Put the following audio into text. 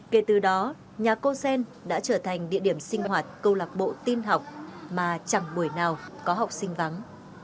kể từ đó nhà cô xen đã trở thành địa điểm sinh hoạt câu lạc bộ tin học mà chẳng buổi nào có học sinh vắng